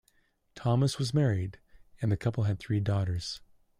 Thomas was married, and the couple had three daughters.